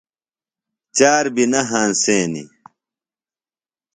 چار بی نہ ہنسینیۡ۔